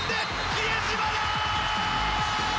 比江島だ！